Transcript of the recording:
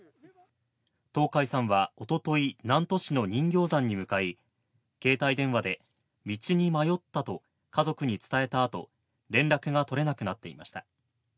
東海さんは、おととい、南砺市の人形山に向かい、携帯電話で道に迷ったと家族に伝えたあと、連絡が取れなくなっていました。